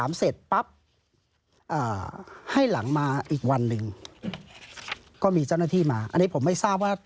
เสร็จปั๊บให้หลังมาอีกวันหนึ่งก็มีเจ้าหน้าที่มาอันนี้ผมไม่ทราบว่า